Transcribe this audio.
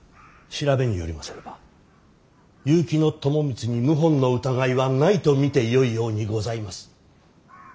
調べによりますれば結城朝光に謀反の疑いはないと見てよいようにございます。